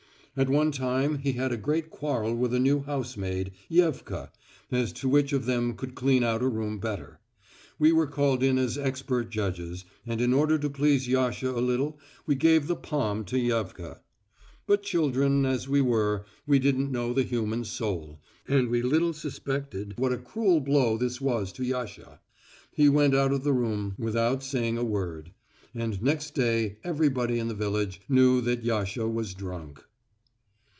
At one time he had a great quarrel with a new housemaid, Yevka, as to which of them could clean out a room better. We were called in as expert judges, and in order to tease Yasha a little we gave the palm to Yevka. But children as we were, we didn't know the human soul, and we little suspected what a cruel blow this was to Yasha. He went out of the room without saying a word, and next day everybody in the village knew that Yasha was drunk.